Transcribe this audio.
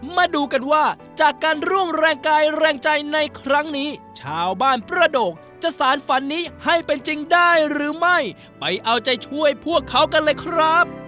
มาดูกันว่าจากการร่วมแรงกายแรงใจในครั้งนี้ชาวบ้านประโดกจะสารฝันนี้ให้เป็นจริงได้หรือไม่ไปเอาใจช่วยพวกเขากันเลยครับ